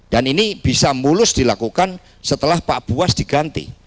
dan ini bisa mulus dilakukan setelah pak buas diganti